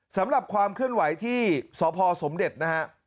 สำหรับความเคลื่อนไหวที่สพสมเด็จนะฮะ